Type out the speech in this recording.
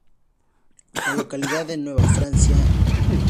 La localidad de Nueva Francia, Dpto.